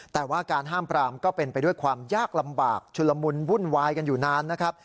แต่ว่าการห้ามปรามก็เป็นไปด้วยความยากลำบากชุลมุนวุ่นวายกันอยู่นานนะครับ